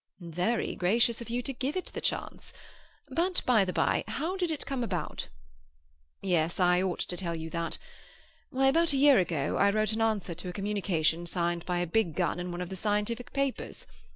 "Very gracious of you to give it the chance. But, by the bye, how did it come about?" "Yes, I ought to tell you that. Why, about a year ago, I wrote an answer to a communication signed by a Big Gun in one of the scientific papers.